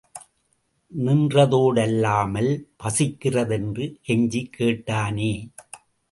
நின்றதோடல்லாமல் பசிக்கிறது என்று கெஞ்சிக்கேட்டானே!